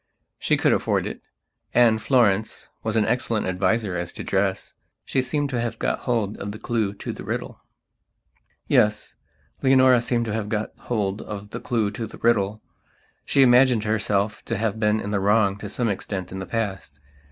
She could afford it, and Florence was an excellent adviser as to dress. She seemed to have got hold of the clue to the riddle. Yes, Leonora seemed to have got hold of the clue to the riddle. She imagined herself to have been in the wrong to some extent in the past.